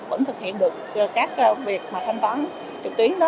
vẫn thực hiện được các việc mà thanh toán trực tuyến